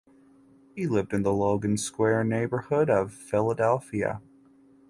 He lived in the Logan Square neighborhood of Philadelphia.